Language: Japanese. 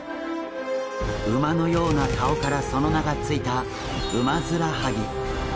馬のような顔からその名が付いたウマヅラハギ。